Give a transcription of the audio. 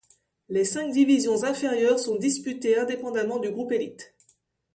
Les cinq divisions inférieures sont disputées indépendamment du groupe élite.